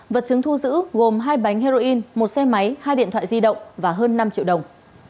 vật chứng thu giữ gồm hai bánh heroin một xe máy hai điện thoại di động và hơn năm triệu đồng